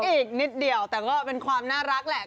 อีกนิดเดียวแต่ก็เป็นความน่ารักแหละ